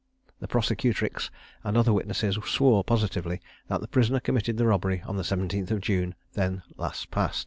The prosecutrix and other witnesses swore positively that the prisoner committed the robbery on the 17th of June then last past.